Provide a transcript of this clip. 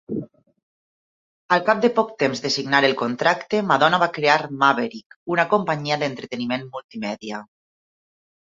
Al cap de poc temps de signar el contracte, Madonna va crear Maverick, una companyia d'entreteniment multimèdia.